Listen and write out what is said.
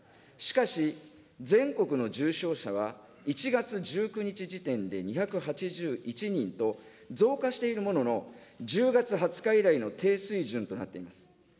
しかし、全国の重症者は１月１９日時点で２８１人と、増加しているものの、１０月２０日以来の低水準となっています。